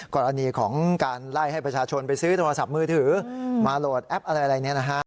กรณีของการไล่ให้ประชาชนไปซื้อโทรศัพท์มือถือมาโหลดแอปอะไรเนี่ยนะฮะ